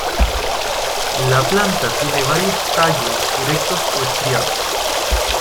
La planta tiene varios tallos erectos o estriados.